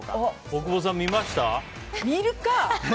大久保さん、見ました？